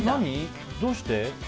どうして？